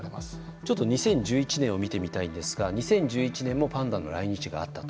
ちょっと２０１１年を見てみたいんですが２０１１年もパンダの来日があったと。